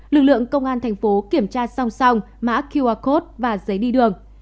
lực lượng công an tp hcm kiểm tra song song mã qr code và giấy đi đường